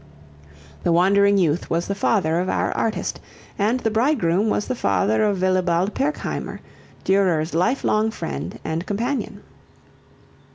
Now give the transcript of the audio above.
The wandering youth was the father of our artist and the bridegroom was the father of Wilibald Pirkheimer, Durer's life long friend and companion.